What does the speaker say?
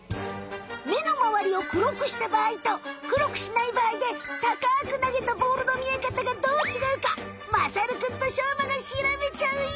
目のまわりを黒くしたばあいと黒くしないばあいでたかくなげたボールの見えかたがどうちがうかまさるくんとしょうまがしらべちゃうよ。